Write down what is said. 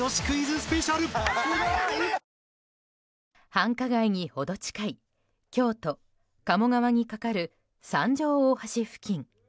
繁華街に程近い京都・鴨川にかかる三条大橋付近。